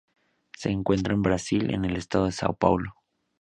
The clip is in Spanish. Se encuentra en Brasil en el estado de Sao Paulo.